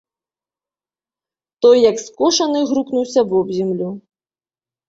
Той як скошаны грукнуўся вобземлю.